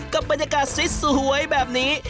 กับบรรยากาศสวยแบบนี้